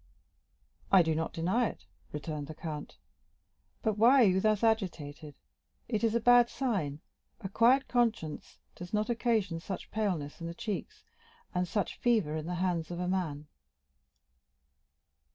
"I do not deny it," returned the count; "but why are you thus agitated. It is a bad sign; a quiet conscience does not occasion such paleness in the cheeks, and such fever in the hands of a man."